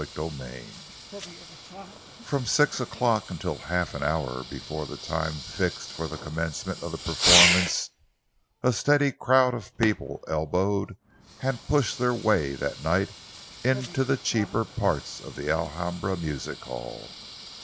CHAPTER XXVI From six o'clock until half an hour before the time fixed for the commencement of the performance, a steady crowd of people elbowed and pushed their way that night into the cheaper parts of the Alhambra Music hall.